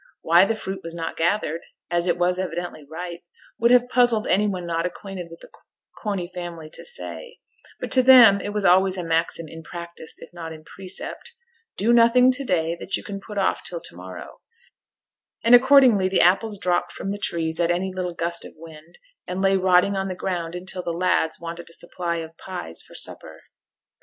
Why the fruit was not gathered, as it was evidently ripe, would have puzzled any one not acquainted with the Corney family to say; but to them it was always a maxim in practice, if not in precept, 'Do nothing to day that you can put off till to morrow,' and accordingly the apples dropped from the trees at any little gust of wind, and lay rotting on the ground until the 'lads' wanted a supply of pies for supper.